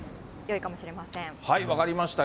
分かりました。